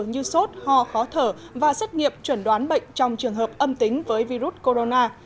như sốt ho khó thở và xét nghiệm chuẩn đoán bệnh trong trường hợp âm tính với virus corona